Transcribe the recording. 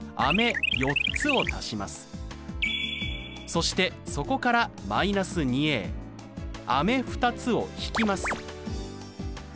そしてそこから−２飴２つを引きます。